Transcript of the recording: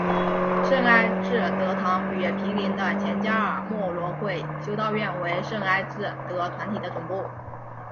圣艾智德堂与毗邻的前加尔默罗会修道院为圣艾智德团体的总部。